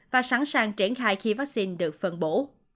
và sẵn sàng triển khai khi vaccine được phân bổ